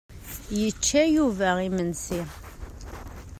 Yečča Yuba imensi.